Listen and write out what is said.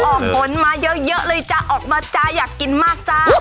ผลมาเยอะเลยจ๊ะออกมาจ้าอยากกินมากจ้า